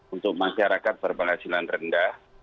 untuk masyarakat berpenghasilan rendah